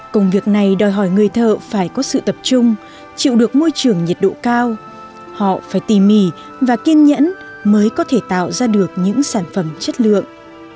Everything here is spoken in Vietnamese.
công việc này đòi hỏi người thợ phải có sự tập trung chịu được môi trường nhiệt độ cao họ phải tỉ mỉ và kiên nhẫn mới có thể tạo ra được những sản phẩm chất lượng